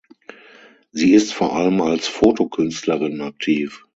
Sie ist vor allem als Fotokünstlerin aktiv.